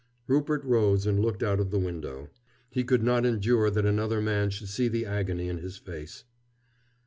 Rupert rose and looked out of the window. He could not endure that another man should see the agony in his face.